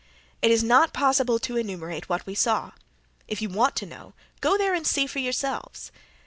It is not possible to enumerate what we saw. If you want to know go there and see for yourselves.